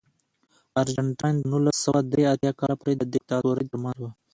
ارجنټاین د نولس سوه درې اتیا کال پورې د دیکتاتورۍ ترمنځ و.